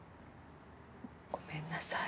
ごめんなさい。